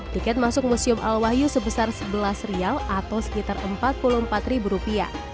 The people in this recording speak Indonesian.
tiket masuk museum al wahyu sebesar rp sebelas atau sekitar rp empat puluh empat